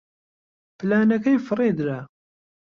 پلانەکەی فڕێ درا.